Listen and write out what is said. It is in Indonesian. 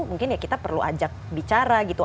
mungkin ya kita perlu ajak bicara gitu